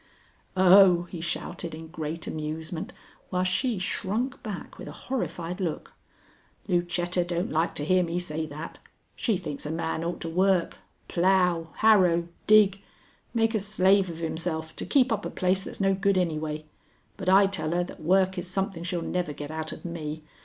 "Oh!" he shouted in great amusement, while she shrunk back with a horrified look. "Lucetta don't like to hear me say that. She thinks a man ought to work, plow, harrow, dig, make a slave of himself, to keep up a place that's no good anyway. But I tell her that work is something she'll never get out of me.